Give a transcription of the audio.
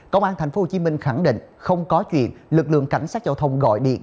công an tp hcm khẳng định không có chuyện lực lượng cảnh sát giao thông gọi điện